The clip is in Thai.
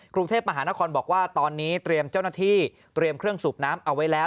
กรุงเทพมหานครบอกว่าตอนนี้เตรียมเจ้าหน้าที่เตรียมเครื่องสูบน้ำเอาไว้แล้ว